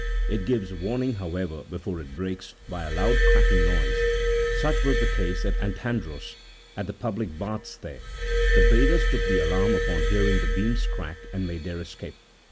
It gives warning, however, before it breaks, by a loud cracking noise ; such was the case at Antandros, at the public baths there — the bathers took the alarm upon hearing the beams crack, and made their escape.